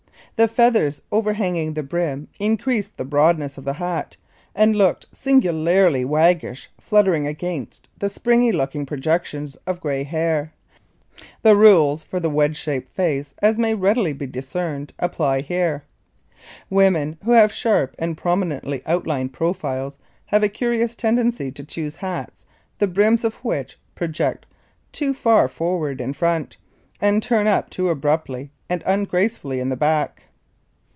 The feathers overhanging the brim increased the broadness of the hat, and looked singularly waggish fluttering against the spriggy looking projections of gray hair. The rules for the wedge shaped face, as may readily be discerned, apply here. [Illustration: NOS. 30 AND 31] Women who have sharp and prominently outlined profiles have a curious tendency to choose hats, the brims of which project too far forward in front, and turn up too abruptly and ungracefully in the back.